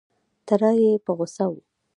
تره یې په غوسه و.